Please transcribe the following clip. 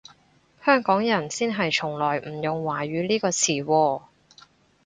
香港人先係從來唔用華語呢個詞喎